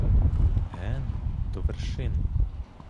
Ген — до вершин.